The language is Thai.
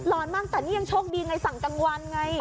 ร้อนมากแต่นี่ยังโชคดีไงสั่งกลางวันไง